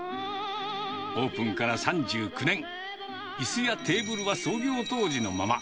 オープンから３９年、いすやテーブルは創業当時のまま。